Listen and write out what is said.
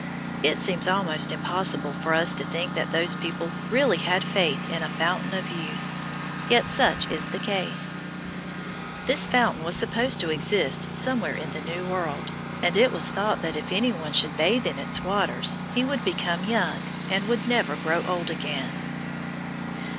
It seems almost impossible for us to think that those people really had faith in a Fountain of Youth; yet such is the case. [Illustration: Ponce de Leon.] This fountain was supposed to exist somewhere in the New World, and it was thought that if any one should bathe in its waters, he would become young and would never grow old again.